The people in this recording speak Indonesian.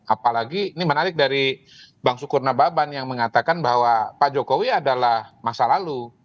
apalagi ini menarik dari bang sukur nababan yang mengatakan bahwa pak jokowi adalah masa lalu